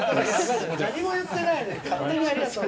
何も言ってないのに。